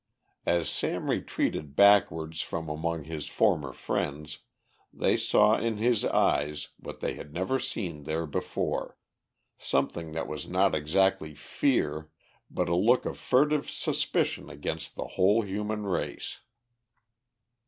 As Sam retreated backwards from among his former friends they saw in his eyes what they had never seen there before, something that was not exactly fear, but a look of furtive suspicion against the whole human race.